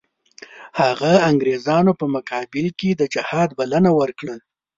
هغه انګریزانو په مقابل کې د جهاد بلنه ورکړه.